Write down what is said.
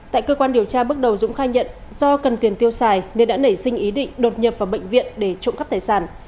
tại cơ quan điều tra bước đầu dũng khai nhận do cần tiền tiêu xài nên đã nảy sinh ý định đột nhập vào bệnh viện để trộm cắp tài sản